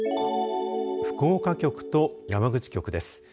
福岡局と山口局です。